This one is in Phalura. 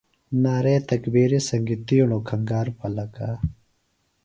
نعرے تکبیرِ سنگیۡ تیݨوۡ کھنگار پلکا۔